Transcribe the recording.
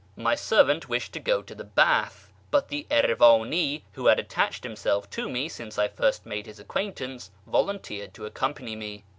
My servant wished to go to the bath, but the Erivani, who had attached himself to me since I first made his acquaintance, volunteered to acompany me.